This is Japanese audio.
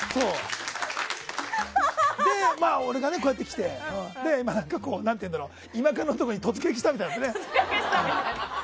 俺が、こうやってきて今カノのところに突撃したみたいなね。